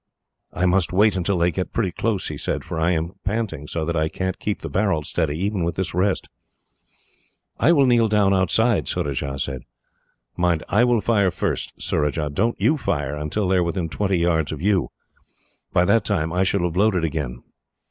"I must wait until they get pretty close," he said, "for I am panting so that I can't keep the barrel steady, even with this rest." "I will kneel down outside," Surajah said. "Mind, I will fire first, Surajah. Don't you fire until they are within twenty yards of you. By that time I shall have loaded again."